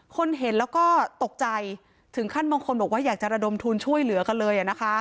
คนเห็นแล้วก็ตกใจถึงขั้นบางคนบอกว่าอยากจะระดมทุนช่วยเหลือกันเลย